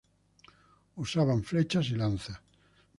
Usaban flechas y lanzas.